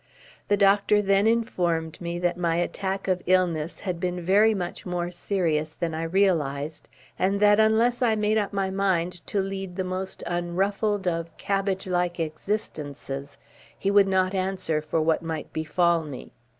The doctor then informed me that my attack of illness had been very much more serious than I realised, and that unless I made up my mind to lead the most unruffled of cabbage like existences, he would not answer for what might befall me.